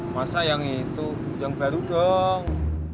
masa yang itu yang baru dong